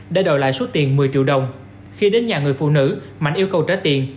để đòi lại số tiền một mươi triệu đồng khi đến nhà người phụ nữ mạnh yêu cầu trả tiền